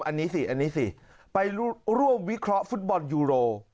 อันนี้สิไปร่วมวิเคราะห์ฟุตบอลยูโร